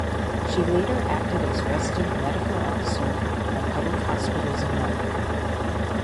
She later acted as resident medical officer at public hospitals in Melbourne.